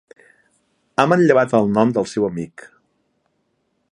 Ha manllevat el nom del seu amic.